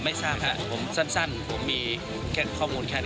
ไม่ทราบครับผมสั้นผมมีแค่ข้อมูลแค่นั้น